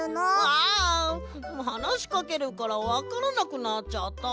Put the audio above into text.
あはなしかけるからわからなくなっちゃった。